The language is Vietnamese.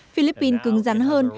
philippines cứng rắn hơn